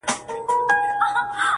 په سلګیو سو په ساندو واویلا سو٫